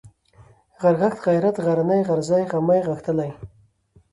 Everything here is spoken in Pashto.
غرغښت ، غيرت ، غرنى ، غرزی ، غمی ، غښتلی